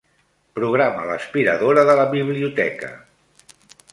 Programa l'aspiradora de la biblioteca.